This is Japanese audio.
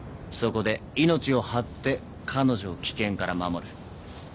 そこで命を張って彼女を危険から守る。